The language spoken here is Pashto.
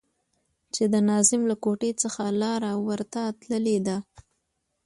چې د ناظم له کوټې څخه لاره ورته تللې ده.